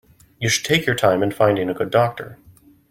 You should take your time in finding a good doctor.